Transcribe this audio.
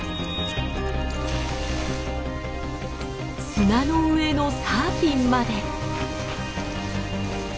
砂の上のサーフィンまで。